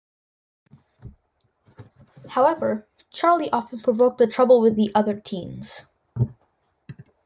However, Charlie often provoked the trouble with the other teens.